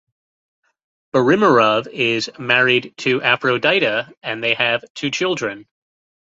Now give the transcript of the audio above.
Borimirov is married to Aphrodita and they have two children.